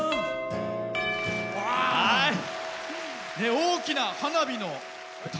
大きな花火の玉。